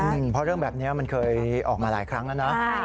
เพราะเรื่องแบบนี้มันเคยออกมาหลายครั้งแล้วนะ